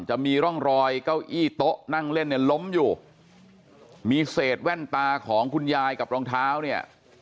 จะมีร่องรอยเก้าอี้โต๊ะนั่งเล่นเนี่ยล้มอยู่มีเศษแว่นตาของคุณยายกับรองเท้าเนี่ย